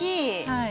はい。